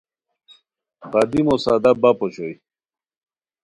قدیمو سادہ بپ اوشوئے